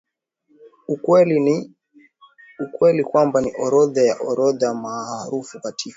ukweli kwamba ni orodha ya orodha maarufu katika